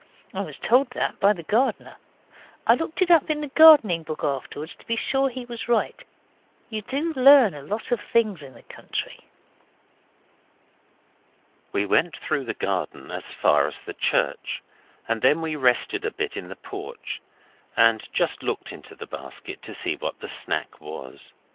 I was told that by the gardener. I looked it up in the gardening book afterwards to be sure he was right. You do learn a lot of things in the country.) We went through the garden as far as the church, and then we rested a bit in the porch, and just looked into the basket to see what the 'snack' was.